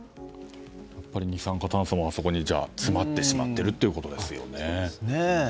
二酸化炭素もあそこに詰まってしまっているということですね。